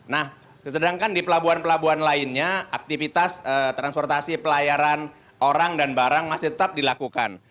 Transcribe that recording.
nah sedangkan di pelabuhan pelabuhan lainnya aktivitas transportasi pelayaran orang dan barang masih tetap dilakukan